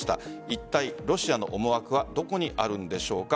いったいロシアの思惑はどこにあるんでしょうか。